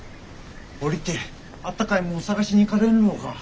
下りてあったかいもん探しに行かれんろうか？